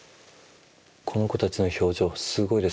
この子たちの表情すごいです。